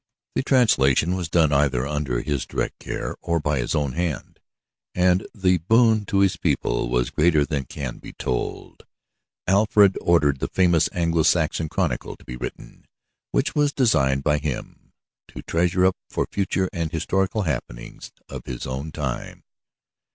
The translation was done either under his direct care, or by his own hand, and the boon to his people was greater than can be told. Alfred ordered the famous Anglo Saxon Chronicle to be written, which was designed by him to treasure up for future the historical happenings of his own time.